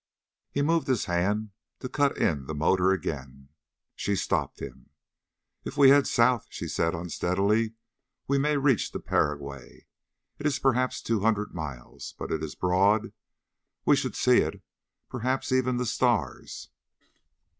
He moved his hand to cut in the motor again. She stopped him. "If we head south," she said unsteadily, "we may reach the Paraguay. It is perhaps two hundred miles, but it is broad. We should see it. Perhaps even the stars...."